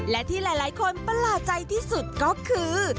และที่หลายคนประหลาดใจที่สุดก็คือ